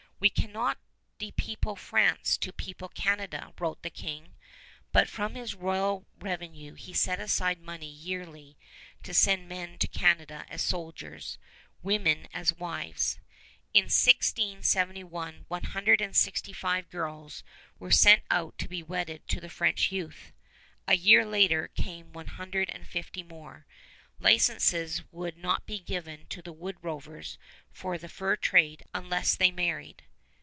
"We cannot depeople France to people Canada," wrote the King; but from his royal revenue he set aside money yearly to send men to Canada as soldiers, women as wives. In 1671 one hundred and sixty five girls were sent out to be wedded to the French youth. A year later came one hundred and fifty more. Licenses would not be given to the wood rovers for the fur trade unless they married.